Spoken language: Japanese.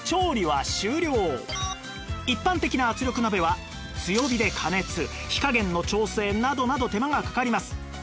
一般的な圧力鍋は強火で加熱火加減の調整などなど手間がかかります